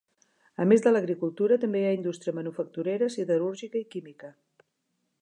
A més de l'agricultura, també hi ha indústria manufacturera, siderúrgica i química.